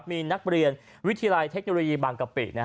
มีนักเรียนวิทยาลัยเทคโนโลยีบางกะปิ